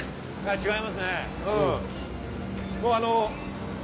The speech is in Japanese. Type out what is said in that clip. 違いますね。